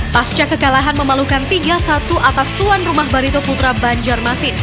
pasca kekalahan memalukan tiga satu atas tuan rumah barito putra banjarmasin